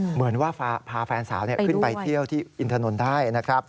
เหมือนว่าพาแฟนสาวขึ้นไปเที่ยวที่อินทนนท์ได้นะครับ